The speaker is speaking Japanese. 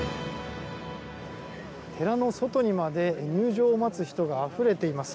寺の外にまで入場を待つ人があふれています。